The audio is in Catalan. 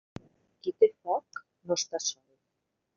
Qui té foc no està sol.